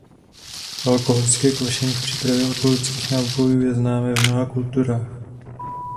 Alkoholické kvašení k přípravě alkoholických nápojů je známé v mnoha kulturách.